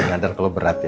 gue ngadar kalau berat ya